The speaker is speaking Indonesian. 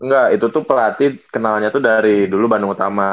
enggak itu tuh pelatih kenalnya tuh dari dulu bandung utama